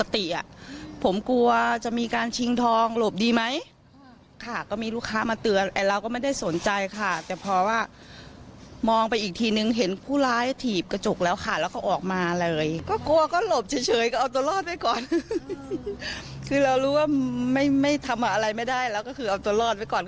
ที่ทำอะไรไม่ได้แล้วก็คือเอาตัวรอดไปก่อน